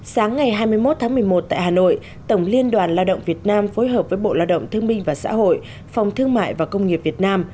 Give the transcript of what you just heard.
sáng ngày hai mươi một tháng một mươi một tại hà nội tổng liên đoàn lao động việt nam phối hợp với bộ lao động thương minh và xã hội phòng thương mại và công nghiệp việt nam